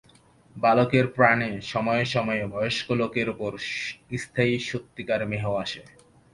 বালকের প্রাণে সময়ে সময়ে বয়স্ক লোকের উপর স্থায়ী সত্যিকার মেহ আসে।